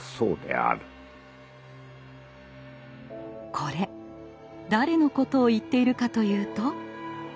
これ誰のことを言っているかというと。